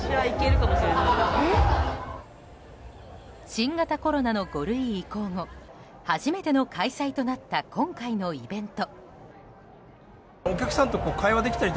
新型コロナの５類移行後初めての開催となった今回のイベント。